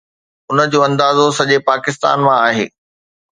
ان جو اندازو سڄي پاڪستان مان آهي.